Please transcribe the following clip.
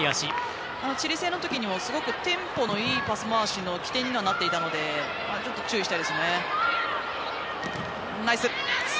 チリ戦のあとでもすごくテンポのいいパス回しの起点になっていたので注意したいですね。